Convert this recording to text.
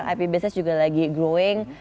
ip business juga lagi growing